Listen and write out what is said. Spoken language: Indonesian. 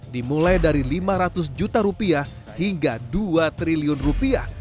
dimulai dari lima ratus juta rupiah hingga dua triliun rupiah